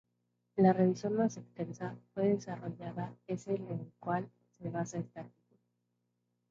La revisión más extensa fue desarrollada es en la cual se basa este artículo.